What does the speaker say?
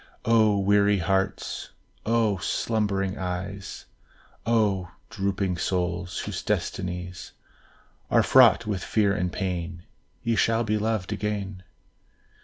O weary hearts! O slumbering eyes! O drooping souls, whose destinies Are fraught with fear and pain, Ye shall be loved again!